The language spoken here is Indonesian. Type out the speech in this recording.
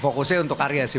fokusnya untuk karya sih